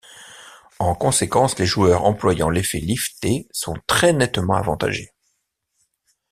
En conséquence, les joueurs employant l'effet lifté sont très nettement avantagés.